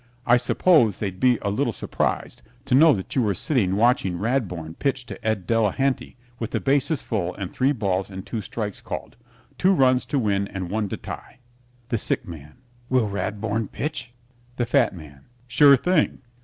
I suppose they'd be a little surprised to know that you were sitting watching Radbourne pitch to Ed. Delehanty with the bases full and three balls and two strikes called. Two runs to win and one to tie. THE SICK MAN Will Radbourne pitch? THE FAT MAN Sure thing.